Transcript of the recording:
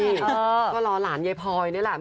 อืมก็รอหลานเยพร์นี่แหละ